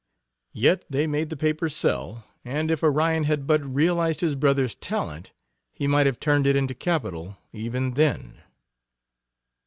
Yet they made the paper sell, and if Orion had but realized his brother's talent he might have turned it into capital even then.